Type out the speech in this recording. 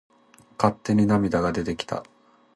勝手に涙が出てきた。